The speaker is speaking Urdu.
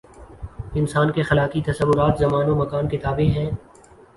انسان کے اخلاقی تصورات زمان و مکان کے تابع ہیں۔